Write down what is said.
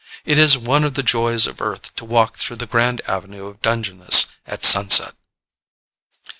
It is one of the joys of earth to walk through the Grand Avenue of Dungeness at sunset.